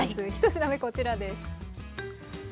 １品目こちらです。